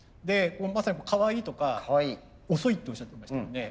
まさにかわいいとか遅いっておっしゃってましたよね。